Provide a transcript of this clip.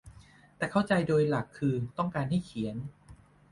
แต่เข้าใจว่าโดยหลักคือต้องการให้เขียน